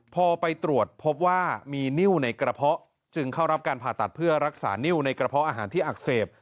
พอไปตรวจพบว่ามีนิ้วในกระเพาะจึงเข้ารับการผ่าตัดเพื่อรักษานิ้วในกระเพาะอาหารที่อักเสบ